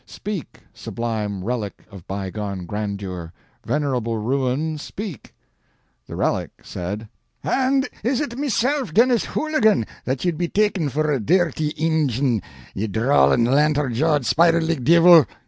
Speak, sublime relic of bygone grandeur venerable ruin, speak!" The relic said: "An' is it mesilf, Dennis Hooligan, that ye'd be takin' for a dirty Injin, ye drawlin', lantern jawed, spider legged divil!